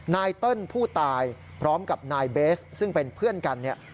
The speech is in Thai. เติ้ลผู้ตายพร้อมกับนายเบสซึ่งเป็นเพื่อนกันเนี่ย